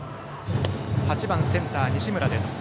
８番センター、西村です。